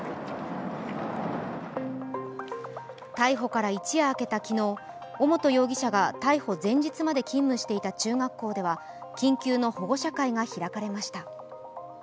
逮捕から一夜明けた昨日、尾本容疑者が逮捕前日まで勤務していた中学校では緊急の保護者会が開かれました。